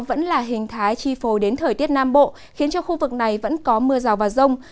vẫn là hình thái chi phô đến thời tiết nam bộ khiến cho khu vực này vẫn có mưa rào và rông